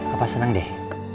apa seneng deh